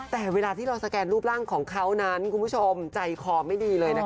แต่เวลาที่เราสแกนรูปร่างของเขานั้นคุณผู้ชมใจคอไม่ดีเลยนะคะ